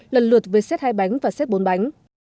lần lượt với xét hai bánh và xét bốn bánh